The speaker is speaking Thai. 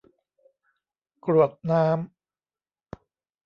กรวดน้ำ